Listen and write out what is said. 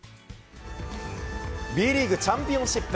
Ｂリーグチャンピオンシップ。